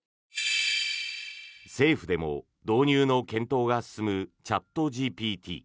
政府でも導入の検討が進むチャットＧＰＴ。